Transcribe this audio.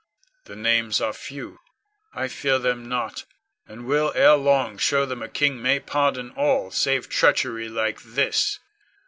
The names are few; I fear them not, and will ere long show them a king may pardon all save treachery like this.